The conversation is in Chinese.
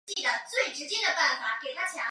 透过策展人的独到眼光